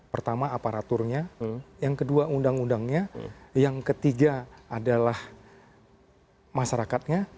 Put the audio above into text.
pertama aparaturnya yang kedua undang undangnya yang ketiga adalah masyarakatnya